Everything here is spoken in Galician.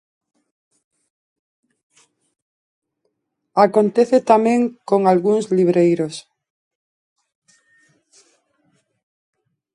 Acontece tamén con algúns libreiros.